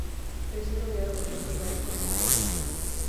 Crecí rodeado de gente gay por completo.